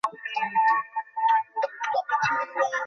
দুই করতলের উপরে সে মুখ রাখিয়া ভাবিতে লাগিল।